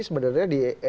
sebenarnya di indonesia